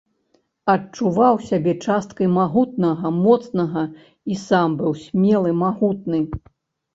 Адчуваў сябе часткай магутнага, моцнага і сам быў смелы, магутны.